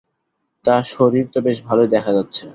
তা, শরীর তো বেশ ভালোই দেখা যাচ্ছে।